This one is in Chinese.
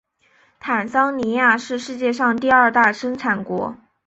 坦桑尼亚是世界上第二大生产国。